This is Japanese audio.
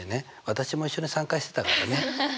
私も一緒に参加してたからね。